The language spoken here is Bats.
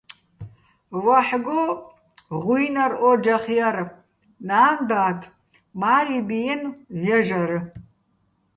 ვაჰ̦გო ღუ́ჲნარ ო́ჯახ ჲარ, ნა́ნ-და́დ, მა́რი ბიენო̆ ჲაჟარ.